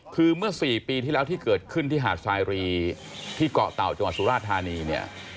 คือเมื่อ๔ปีที่แล้วที่เกิดขึ้นที่หาดสายรีที่เกาะเต่าจังหวัดสุราธานีเนี่ย